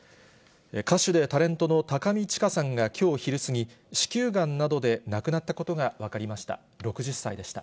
歌手でタレントの高見知佳さんがきょう昼過ぎ、子宮がんなどで亡くなったことが分かりました。